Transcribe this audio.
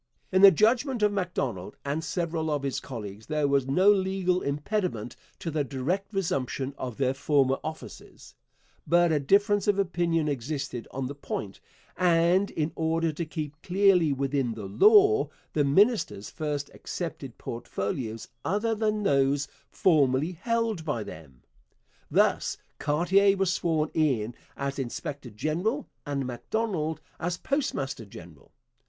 In the judgment of Macdonald and several of his colleagues there was no legal impediment to the direct resumption of their former offices, but a difference of opinion existed on the point, and, in order to keep clearly within the law, the ministers first accepted portfolios other than those formerly held by them. Thus, Cartier was first sworn in as inspector general and Macdonald as postmaster general.